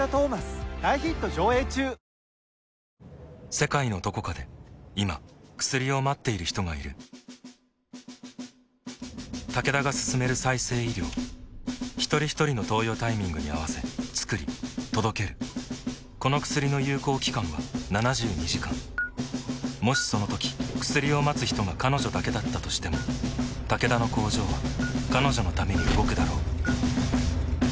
世界のどこかで今薬を待っている人がいるタケダが進める再生医療ひとりひとりの投与タイミングに合わせつくり届けるこの薬の有効期間は７２時間もしそのとき薬を待つ人が彼女だけだったとしてもタケダの工場は彼女のために動くだろう